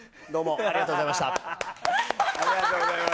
ありがとうございます。